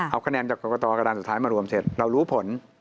เอาคะแนนจากกรกตกระดานสุดท้ายมารวมเสร็จเรารู้ผล